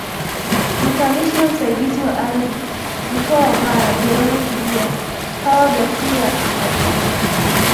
ni Kamishna Msaidizi wa Ardhi mkoa wa Mara Jerome Kiwia Hawa Ghasia kufuatia